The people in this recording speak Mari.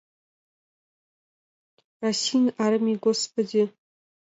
Российын армий — господи!..